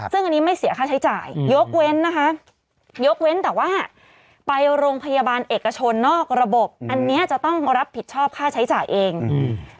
ซึ่งอันนี้ไม่เสียค่าใช้จ่ายยกเว้นนะคะยกเว้นแต่ว่าไปโรงพยาบาลเอกชนนอกระบบอันเนี้ยจะต้องรับผิดชอบค่าใช้จ่ายเองอืม